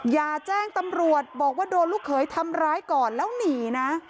อย่าแจ้งตำรวจบอกว่าโดนลูกเขยทำร้ายก่อนแล้วหนีนะ